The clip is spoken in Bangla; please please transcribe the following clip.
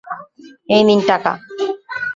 এই নিন টাকা।